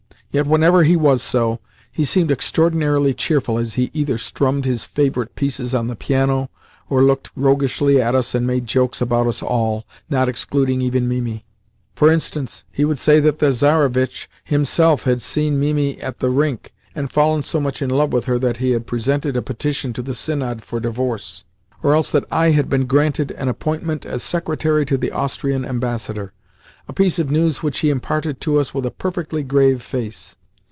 Yet, whenever he was so, he seemed extraordinarily cheerful as he either strummed his favourite pieces on the piano or looked roguishly at us and made jokes about us all, not excluding even Mimi. For instance, he would say that the Tsarevitch himself had seen Mimi at the rink, and fallen so much in love with her that he had presented a petition to the Synod for divorce; or else that I had been granted an appointment as secretary to the Austrian ambassador a piece of news which he imparted to us with a perfectly grave face.